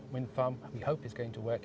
jangkaan yang kita harapkan